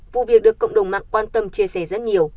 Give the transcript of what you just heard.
vụ việc được cộng đồng mạng quan tâm chia sẻ rất nhiều